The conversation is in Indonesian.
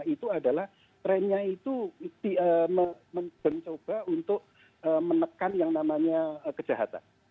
itu adalah trennya itu mencoba untuk menekan yang namanya kejahatan